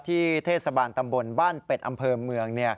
เทศบาลตำบลบ้านเป็ดอำเภอเมือง